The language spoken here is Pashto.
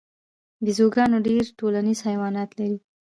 بیزوګان ډیر ټولنیز حیوانات دي